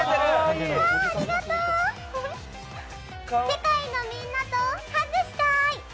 世界のみんなとハグしたい！